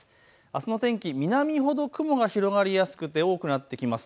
あすの天気、南ほど雲が広がりやすくて多くなってきます。